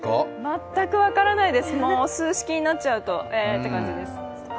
全く分からないです、数式になっちゃうと、えーって感じです。